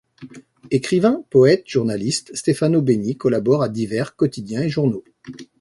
Écrivain, poète, journaliste, Stefano Benni collabore à divers quotidiens et journaux.